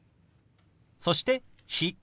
そして「日」。